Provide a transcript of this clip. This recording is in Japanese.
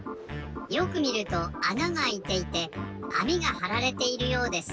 よくみるとあながあいていてあみがはられているようです。